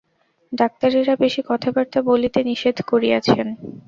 ডাক্তারেরা বেশী কথাবার্তা বলিতে নিষেধ করিয়াছেন।